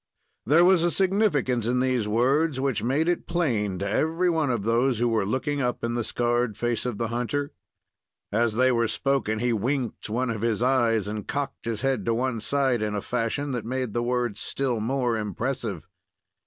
There was a significance in these words which made it plain to every one of those who were looking up in the scarred face of the hunter. As they were spoken, he winked one of his eyes and cocked his head to one side, in a fashion that made the words still more impressive.